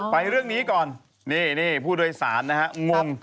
ไปเรื่องนี้ก่อนนี่ผู้โดยสารนะฮะงง